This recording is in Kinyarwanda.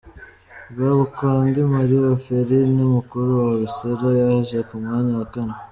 Rwabukwandi Marie Ophelie ni mukuru wa Orcella, yaje ku mwanya wa kane.